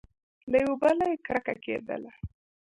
له یوه بله یې کرکه کېدله !